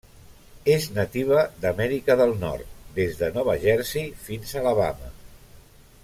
És nativa d'Amèrica del Nord des de Nova Jersey fins a Alabama.